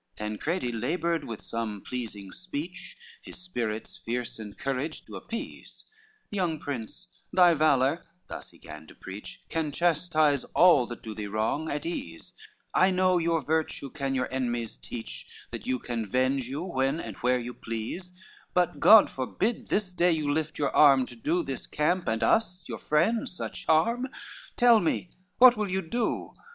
XLV Tancredi labored with some pleasing speech His spirits fierce and courage to appease; "Young Prince, thy valor," thus he gan to preach, "Can chastise all that do thee wrong, at ease, I know your virtue can your enemies teach, That you can venge you when and where you please: But God forbid this day you lift your arm To do this camp and us your friends such harm. XLVI "Tell me what will you do?